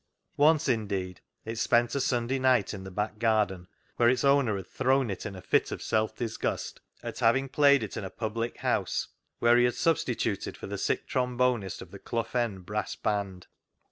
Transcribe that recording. Once, indeed, it spent a Sunday night in the back garden, where its owner had thrown it in a fit of self disgust at having played it in a public house, where he had substituted for the sick trombonist of the Clough End brass band.